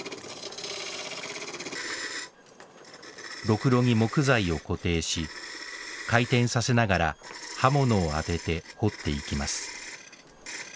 ろくろに木材を固定し回転させながら刃物を当てて彫っていきます